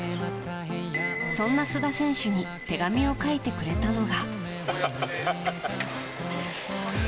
そんな須田選手に手紙を書いてくれたのが。